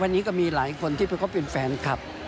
วันนี้ก็มีหลายคนที่ไปคบเป็นแฟนคลับ